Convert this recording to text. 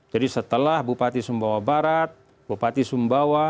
jadi setelah bupati sumbawa barat bupati sumbawa